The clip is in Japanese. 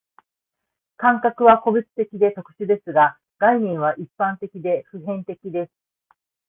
感覚は個別的で特殊ですが、概念は一般的で普遍的です。